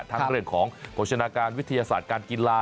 ทั้งเรื่องของโภชนาการวิทยาศาสตร์การกีฬา